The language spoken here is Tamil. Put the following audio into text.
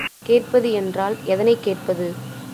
கேட்பது என்றால் எதனைக் கேட்பது?